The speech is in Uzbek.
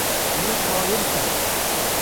Ne shoirsan